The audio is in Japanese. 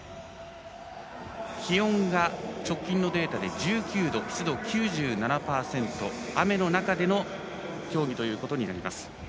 気温が直近のデータで１９度湿度９７％雨の中での競技となります。